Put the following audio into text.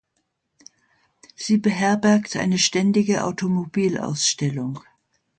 Sie beherbergt eine ständige Automobilausstellung.